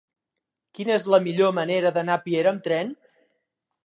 Quina és la millor manera d'anar a Piera amb tren?